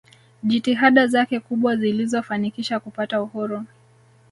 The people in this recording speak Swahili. jitihada zake kubwa zilizo fanikisha kupata uhuru